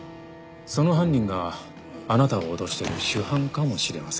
その犯人があなたを脅している主犯かもしれません。